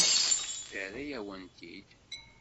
Terra-yawen-t-id.